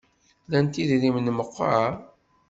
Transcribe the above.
Lant idrimen meqqar?